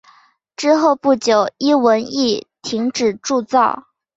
之后不久一文亦停止铸造。